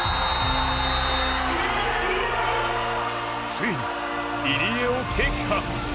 ついに入江を撃破。